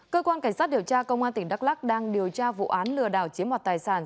cơ quan cảnh sát điều tra công an tỉnh đắk lắc đang điều tra vụ án lừa đảo chiếm mọt tài sản